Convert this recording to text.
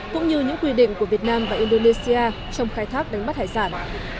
cũng như những quy định của việt nam và indonesia trong khai thác đánh bắt hải sản